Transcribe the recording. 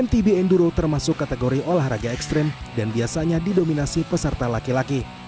ntb enduro termasuk kategori olahraga ekstrim dan biasanya didominasi peserta laki laki